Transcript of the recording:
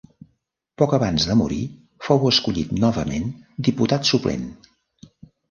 Poc abans de morir fou escollit novament diputat suplent.